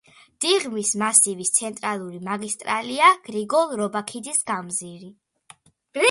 დიღმის მასივის ცენტრალური მაგისტრალია გრიგოლ რობაქიძის გამზირი.